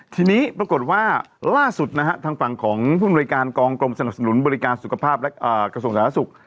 ทีนี้ปรากฏว่าล่าสุดนะฮะทางฝั่งของผู้อำนวยการกองกรมสนับสนุนบริการสุขภาพและกระทรวงสาธารณสุข